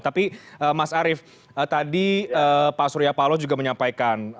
tapi mas arief tadi pak surya paloh juga menyampaikan